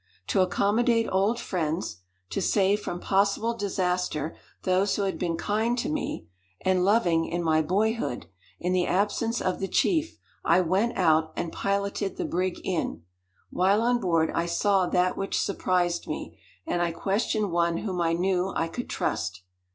To accommodate old friends to save from possible disaster those who had been kind to me, and loving, in my boyhood, in the absence of the chief, I went out and piloted the brig in. While on board I saw that which surprised me; and I questioned one whom I knew I could trust.